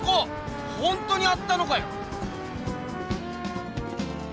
ほんとにあったのかよ！